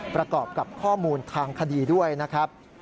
ประกอบกับข้อมูลทางคดีด้วยนะครับ